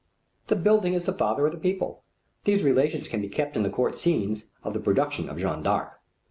The building is the father of the people. These relations can be kept in the court scenes of the production of Jeanne d'Arc.